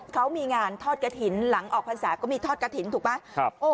เขามีงานทอดกระถิ่นหลังออกพรรษาก็มีทอดกระถิ่นถูกไหม